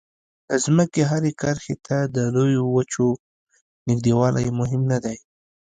د ځمکې هرې کرښې ته د لویو وچو نږدېوالی مهم نه دی.